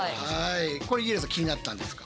これ家入さん気になったんですか？